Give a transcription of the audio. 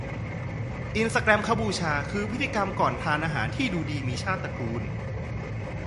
อินสแกรมฆบูชา คือพิธีกรรมก่อนทานอาหารที่ดูดีมีชาติตระกูล